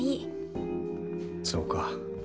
そうか。